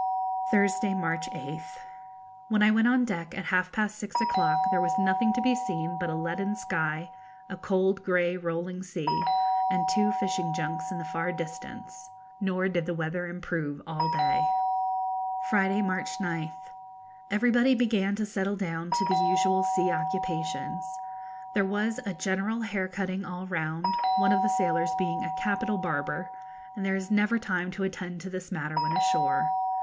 Thursday, March 8th. When I went on deck at half past six o'clock there was nothing to be seen but a leaden sky, a cold grey rolling sea, and two fishing junks in the far distance, nor did the weather improve all day. Friday, March 9th. Everybody began to settle down to the usual sea occupations. There was a general hair cutting all round, one of the sailors being a capital barber, and there is never time to attend to this matter when ashore.